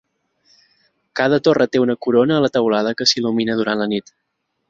Cada torre té una corona a la teulada que s"il·lumina durant la nit.